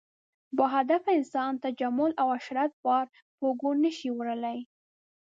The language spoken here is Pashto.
باهدفه انسان تجمل او عشرت بار په اوږو نه شي وړلی.